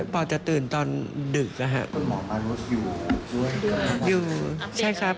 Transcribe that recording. พ่อจะตื่นตอนดึกนะครับ